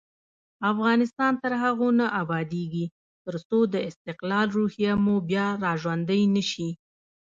افغانستان تر هغو نه ابادیږي، ترڅو د استقلال روحیه مو بیا راژوندۍ نشي.